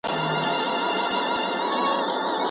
ورزش د وزن په کمولو کې ډېره مرسته کوي.